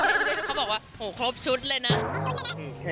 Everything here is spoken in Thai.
เขาบอกว่าโหครบชุดเลยนะ